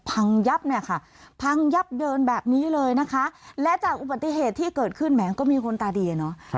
พังยับเนี่ยค่ะพังยับเยินแบบนี้เลยนะคะและจากอุบัติเหตุที่เกิดขึ้นแหมก็มีคนตาดีอะเนาะ